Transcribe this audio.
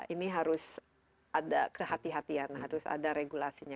ini harus ada kehatian kehatian harus ada regulasinya